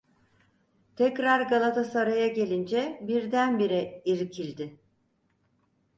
Tekrar Galatasaray’a gelince birdenbire irkildi.